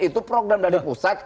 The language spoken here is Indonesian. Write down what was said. itu program dari pusat